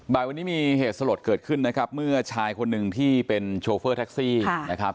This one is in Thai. บ่ายวันนี้มีเหตุสลดเกิดขึ้นนะครับเมื่อชายคนหนึ่งที่เป็นโชเฟอร์แท็กซี่นะครับ